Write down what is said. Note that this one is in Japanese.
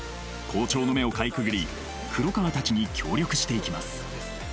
校長の目をかいくぐり黒川たちに協力していきます